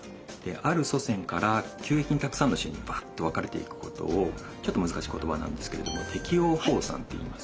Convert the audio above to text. ある祖先から急激にたくさんの種にばっと分かれていくことをちょっと難しい言葉なんですけれども適応放散っていいます。